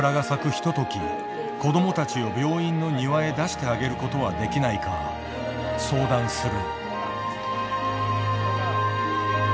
ひととき子どもたちを病院の庭へ出してあげることはできないか相談する。